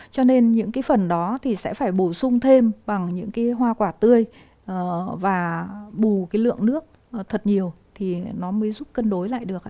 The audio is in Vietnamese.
cho nên những cái phần đó thì sẽ phải bổ sung thêm bằng những cái hoa quả tươi và bù cái lượng nước thật nhiều thì nó mới giúp cân đối lại được